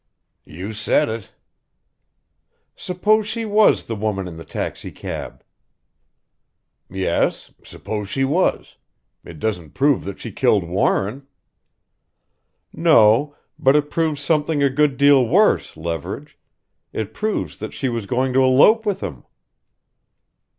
"You said it." "Suppose she was the woman in the taxicab ?" "Yes suppose she was: it doesn't prove that she killed Warren?" "No but it proves something a good deal worse, Leverage. It proves that she was going to elope with him."